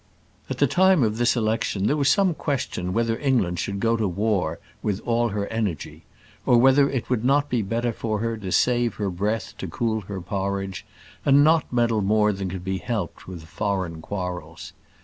At the time of this election there was some question whether England should go to war with all her energy; or whether it would not be better for her to save her breath to cool her porridge, and not meddle more than could be helped with foreign quarrels.